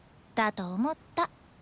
だと思った。